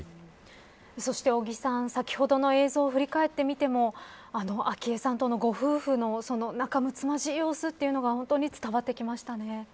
そして、尾木さん先ほどの映像を振り返ってみても昭恵さんとのご夫婦の仲むつまじい様子というのが本当に伝わってきましたね。